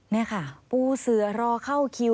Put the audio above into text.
นี่ค่ะปูเสือรอเข้าคิว